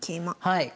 はい。